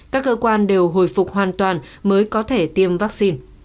các cơ quan đều hồi phục hoàn toàn mới có thể tiêm vaccine